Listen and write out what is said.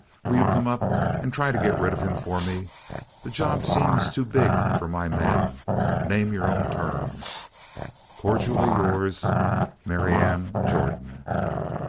Will you come up and try to get rid of him for me? The job seems to be too big for my men. Name your own terms. "'Cordially yours, "'Marianne Jordan.'